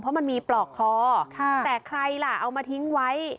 เพราะมันมีปลอกคอแต่ใครล่ะเอามาทิ้งไว้